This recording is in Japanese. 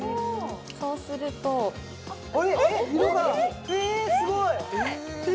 そうするとあれ色がえすごい！